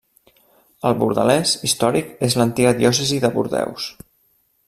El Bordelès històric és l'antiga diòcesi de Bordeus.